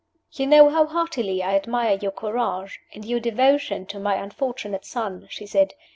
"You know how heartily I admire your courage, and your devotion to my unfortunate son," she said.